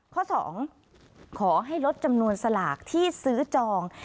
ข้อ๒ขอให้ลดจำนวนสลากที่ซื้อจอง